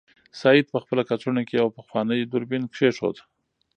سعید په خپله کڅوړه کې یو پخوانی دوربین کېښود.